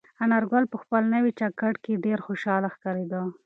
انارګل په خپل نوي جاکټ کې ډېر خوشحاله ښکارېده.